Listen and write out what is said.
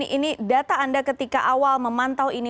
ini data anda ketika awal memantau ini